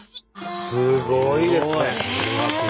すごいですね。